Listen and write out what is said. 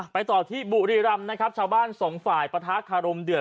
ต่อที่บุรีรำนะครับชาวบ้านสองฝ่ายปะทะคารมเดือด